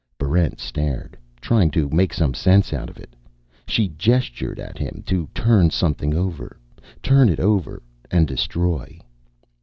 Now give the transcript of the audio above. Barrent stared, trying to make some sense out of it. She gestured at him to turn something over, turn it over and destroy.